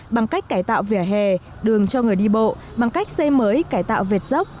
bằng cách cải tạo vỉa hè đường cho người đi bộ bằng cách xây mới cải tạo vệt dốc